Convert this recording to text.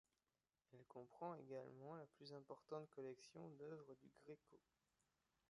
Elle comprend également la plus importante collection d'œuvres du Greco.